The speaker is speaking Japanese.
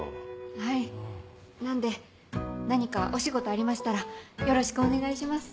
はいなんで何かお仕事ありましたらよろしくお願いします。